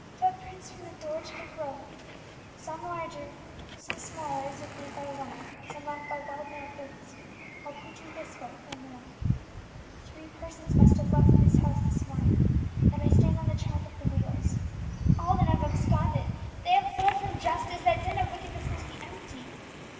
"Footprints from the door to the road, some larger, some smaller as if made by a woman, and some left by wide nailed boots, all pointing this way," murmured Emmie; "three persons must have left the house this morning, and I stand on the track of wheels. All then have absconded, they have fled from justice; that den of wickedness must be empty."